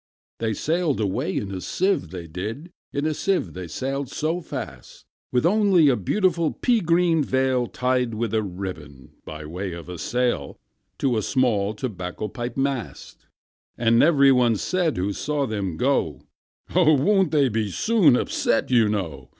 II. They sailed away in a sieve, they did, In a sieve they sailed so fast, With only a beautiful pea green veil Tied with a ribbon, by way of a sail, To a small tobacco pipe mast. And every one said who saw them go, "Oh! won't they be soon upset, you know?